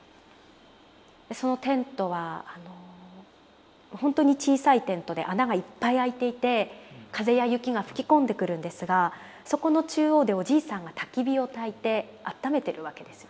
そのテントは本当に小さいテントで穴がいっぱい開いていて風や雪が吹き込んでくるんですがそこの中央でおじいさんがたき火をたいて暖めてるわけですよね。